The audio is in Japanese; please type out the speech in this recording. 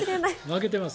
負けてます。